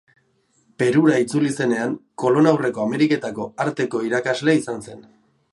Perura itzuli zenean, Kolon aurreko Ameriketako arteko irakasle izan zen.